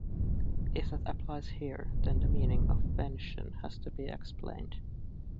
If that applies here, then the meaning of 'Vention' has to be explained.